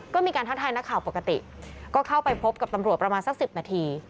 ก็มีการทักทายนักข่าวปกติก็เข้าไปพบกับตำรวจประมาณสัก๑๐นาที